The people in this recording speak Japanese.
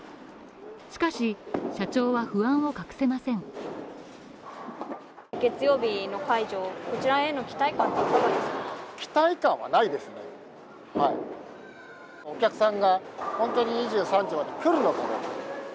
しかし、社長は不安を隠せません。